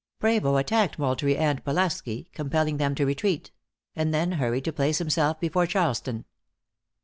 Prevost attacked Moultrie and Pulaski, compelling them to retreat; and then hurried to place himself before Charleston.